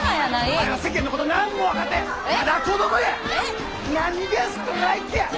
お前は世間のこと何も分かってへん！